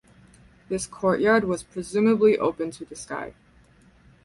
This courtyard was presumably open to the sky.